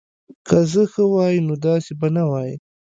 که زه ښه وای نو داسی به نه وای